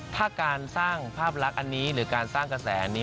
ถ้าการสร้างภาพลักษณ์อันนี้หรือการสร้างกระแสนี้